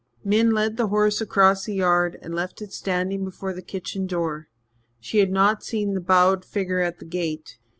Min led the horse across the yard and left it standing before the kitchen door; she had not seen the bowed figure at the gate.